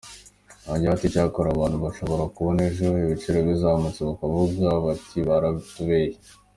Yongeyeho ati “Icyakora abantu bashobora kubona ejo ibiciro bizamutse bakavuga bati ‘baratubeshye’.